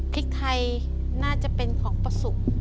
พริกไทยน่าจะเป็นของประสุทธิ์